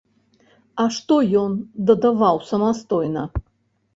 А што ён дадаваў самастойна?